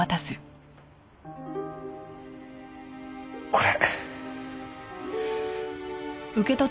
これ。